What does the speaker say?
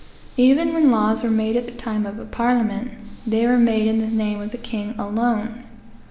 Even when laws were made at the time of a parliament, they were made in the name of the king alone.